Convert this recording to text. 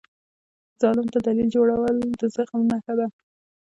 ظالم ته دلیل جوړول د زخم نښه ده.